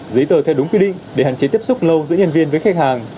giấy tờ theo đúng quy định để hạn chế tiếp xúc lâu giữa nhân viên với khách hàng